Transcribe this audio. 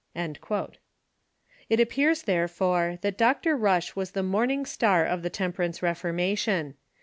* It appears, therefore, that Dr. Rush was the morning star of the temperance reformation.